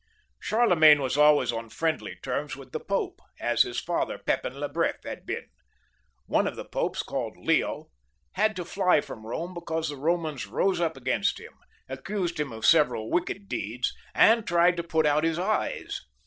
Charlemagne was always on friendly terms with the Pope, as his father, Pepin le Bref, had been. One of the Popes called Leo had to fly from Bome because the Bomans^ rose up against him, accused him of several wicked deeds, and tried to put out his eyes.